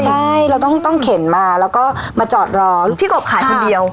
ใช่เราต้องเข็นมาแล้วก็มาจอดรอพี่กบขายคนเดียว